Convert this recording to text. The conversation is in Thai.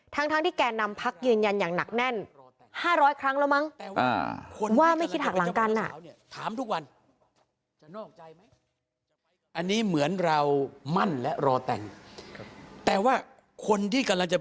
ทั้งที่แก่นำพักยืนยันอย่างหนักแน่น๕๐๐ครั้งแล้วมั้ง